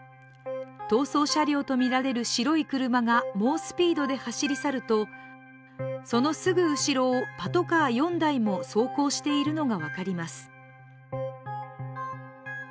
逃走車両とみられる白い車が猛スピードで走り去ると、そのすぐ後ろをパトカー４台も走行しているのが分かります。